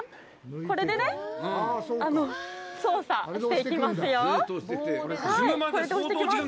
これでね、操作していきますよ。